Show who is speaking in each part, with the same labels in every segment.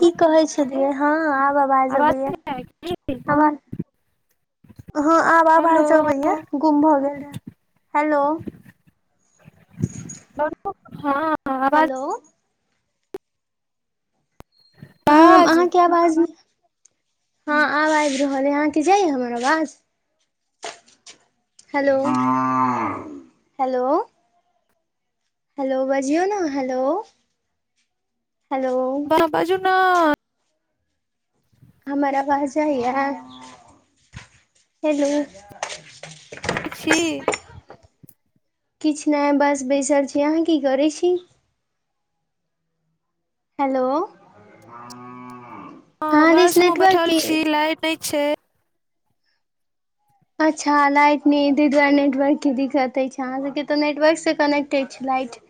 Speaker 1: की कहै छेलीयै हँ आब आवाज
Speaker 2: नहि
Speaker 1: अबैया।
Speaker 2: जाय की
Speaker 1: हँ आब
Speaker 2: हेलो
Speaker 1: आबज अबैया गुम भऽ गेल रहै। हेलो
Speaker 2: [unintelligible] ह।
Speaker 1: हेलो। हम
Speaker 2: बाज
Speaker 1: अहाँके आवाज हँ आब आइब रहल आय, अहाँके जाइया हमर आवाज? Hello, hello. हेलो बजियौ ना हेलो - हेलो।
Speaker 2: ह - ह बाजू न।
Speaker 1: हमर अवाज जाइए हेलो। [unintelligible]
Speaker 2: ठीक छी।
Speaker 1: किछ नै बस बैसल छी। अहाँ की करै छी? हेलो।
Speaker 2: ह
Speaker 1: अहाँ दिस
Speaker 2: बस हमहूं
Speaker 1: नेटवर्क
Speaker 2: बैठल
Speaker 1: के
Speaker 2: छी लाइट नै छै।
Speaker 1: अच्छा लाइट नै अइ, तै दूआरे नेटवर्क के दिक्कत ऐछ अहाँ सबके, तऽ नेटवर्क से कनेक्टेड छै लाइट।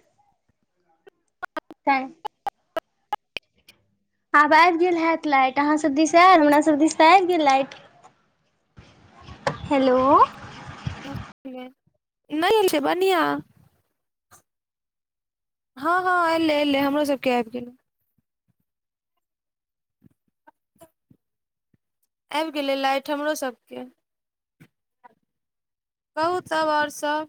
Speaker 1: तै। आब ऐब गेल हैत लाइट, अहाँ सब दिस ऐल, हमरा सब दिश त ऐब गेल लाइट। हेलो।
Speaker 2: नै छै बनियाह। ह - ह एले - एले हमरो सबके ऐब गेलै। ऐब गेलै लाइट हमरो सबके। कहू तब और सब?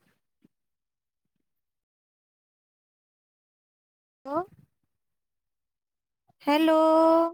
Speaker 2: हेलो। हेलोअ।